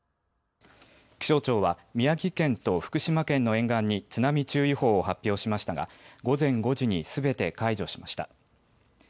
気象庁は宮城県と福島県の沿岸に津波注意報を発表しましたが午前５時にすべて解除しました。